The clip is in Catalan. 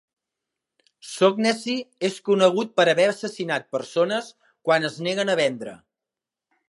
Shaughnessy és conegut per haver assassinat persones quan es neguen a vendre.